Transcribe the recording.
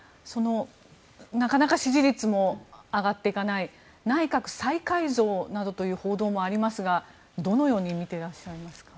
なかなか支持率も上がっていかない内閣再改造などという報道もありますがどのように見てらっしゃいますか。